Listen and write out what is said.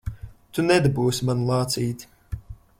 Tu nedabūsi manu lācīti!